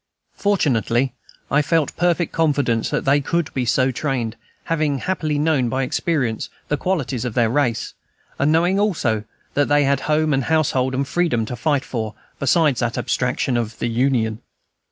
Fortunately, I felt perfect confidence that they could be so trained, having happily known, by experience, the qualities of their race, and knowing also that they had home and household and freedom to fight for, besides that abstraction of "the Union."